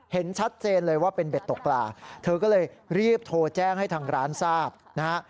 เห็นชัดเจนเลยว่าเป็นเบ็ดตกปลาเธอก็เลยรีบโทรแจ้งให้ทางร้านทราบนะฮะ